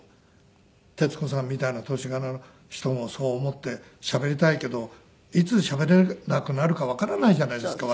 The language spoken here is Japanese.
徹子さんみたいな年頃の人もそう思ってしゃべりたいけどいつしゃべれなくなるかわからないじゃないですか